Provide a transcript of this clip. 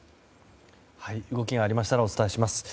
動きがありましたらお伝えします。